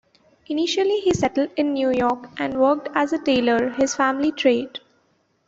Initially he settled in New York and worked as a tailor, his family trade.